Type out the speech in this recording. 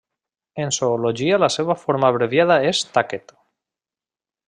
En zoologia la seva forma abreviada és Taquet.